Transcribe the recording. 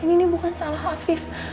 ini bukan salah afif